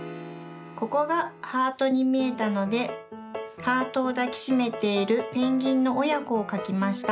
ここがハートにみえたのでハートをだきしめているペンギンのおやこをかきました。